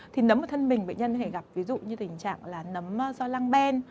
thì nấm ở thân mình bệnh nhân có thể gặp tình trạng như nấm do lang ben